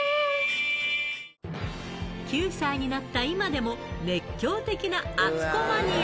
９歳になった今でも、熱狂的なあつこマニア。